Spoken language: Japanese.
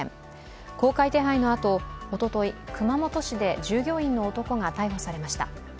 公開手配のあと、おととい熊本市で従業員の男が逮捕されました。